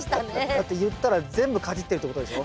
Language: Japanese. だって言ったら全部かじってるってことでしょ。